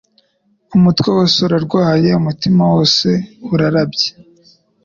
"Umutwe wose urarwaye, umutima wose urarabye.